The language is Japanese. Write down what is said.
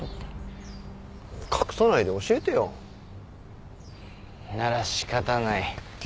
隠さないで教えてよ。なら仕方ない。